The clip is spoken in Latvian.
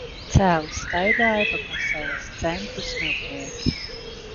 Cēli staigāja pa Pasaules centru "Smiltnieki".